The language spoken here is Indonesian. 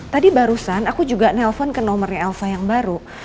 tadi barusan aku juga nelfon ke nomornya elsa yang baru